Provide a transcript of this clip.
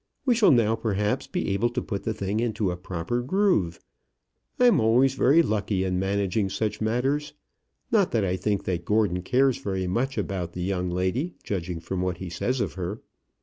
"We shall now, perhaps, be able to put the thing into a proper groove. I'm always very lucky in managing such matters. Not that I think that Gordon cares very much about the young lady, judging from what he says of her."